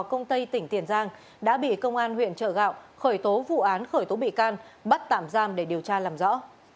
công tây tỉnh tiền giang đã bị công an huyện trợ gạo khởi tố vụ án khởi tố bị can bắt tạm giam để điều tra làm rõ